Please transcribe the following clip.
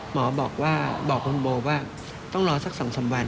หมอบอกว่าบอกคุณโบว่าต้องรอสัก๒๓วัน